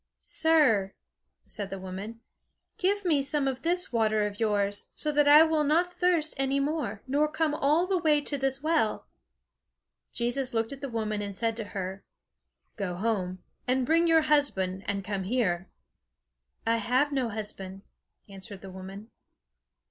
"Sir," said the woman, "give me some of this water of yours, so that I will not thirst any more, nor come all the way to this well." Jesus looked at the woman, and said to her, "Go home, and bring your husband, and come here." "I have no husband," answered the woman.